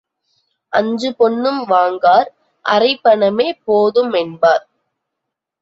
அஞ்சு பொன்னும் வாங்கார், அரைப்பணமே போது மென்பார்.